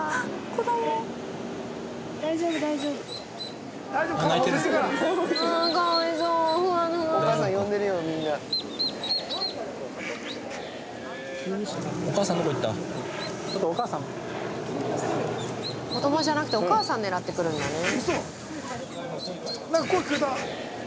子供じゃなくてお母さん狙って来るんだね。